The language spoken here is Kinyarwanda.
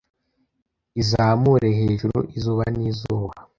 Izamure hejuru izuba n'izuba